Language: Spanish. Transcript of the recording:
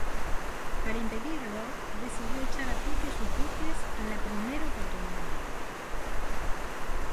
Para impedirlo, decidió echar a pique sus buques a la primera oportunidad.